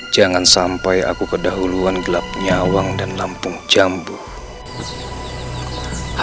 jangan sampai aku kedahuluan gelap nyawang dan lampung jambu